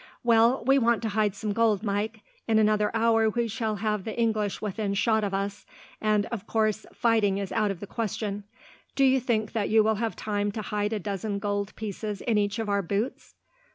"Well, we want to hide some gold, Mike. In another hour we shall have the English within shot of us, and, of course, fighting is out of the question. Do you think that you will have time to hide a dozen gold pieces in each of our boots?"